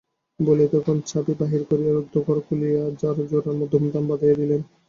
বলিয়া তখনই চাবি বাহির করিয়া রুদ্ধ ঘর খুলিয়া ঝাড়াঝোড়ার ধুমধাম বাধাইয়া দিলেন।